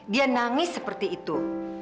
dia nangis seperti itu